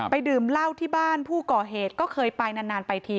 ดื่มเหล้าที่บ้านผู้ก่อเหตุก็เคยไปนานไปที